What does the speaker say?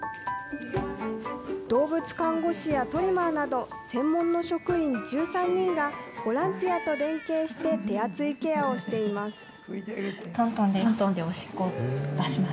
動物看護師やトリマーなど、専門の職員１３人が、ボランティアと連携して手厚いケアをしています。